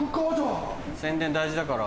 宣伝大事だから。